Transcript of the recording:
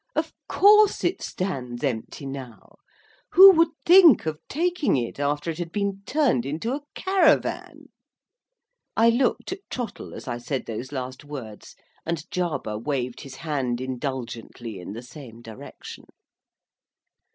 Of course it stands empty now. Who would think of taking it after it had been turned into a caravan?" I looked at Trottle, as I said those last words, and Jarber waved his hand indulgently in the same direction.